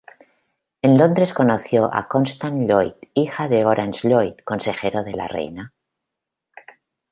En Londres conoció a Constance Lloyd, hija de Horace Lloyd, consejero de la reina.